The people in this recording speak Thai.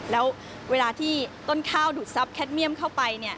แล้วเวลาที่ต้นข้าวดูดซับแคทมีีมเข้าไป